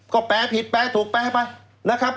ก็แปลผิดแปลถูกแปลไปนะครับ